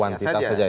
kuantitas saja ya